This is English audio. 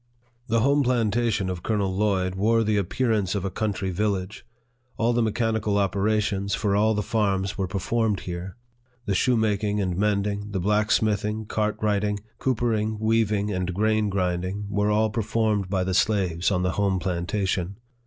The home plantation of Colonel Lloyd wore the appearance of a country village. All the mechanical operations for all the farms were performed here. The shoemaking and mending, the blacksmithing, cartwrighting, coopering, weaving, and grain grinding, were all performed by the slaves on the home planta tion.